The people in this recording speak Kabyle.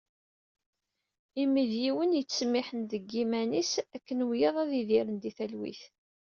Imi d yiwen yettsemmiḥen deg yiman-is akken wiyaḍ ad idiren di talwit.